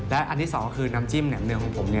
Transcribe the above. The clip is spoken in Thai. และอันที่๒คือน้ำจิ้มแหมเนืองของผม